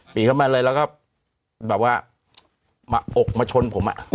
ปีเข้ามาเลยแล้วก็แบบว่ามาอกมาชนผม